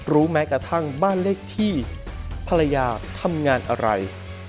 แม้กระทั่งบ้านเลขที่ภรรยาทำงานอะไร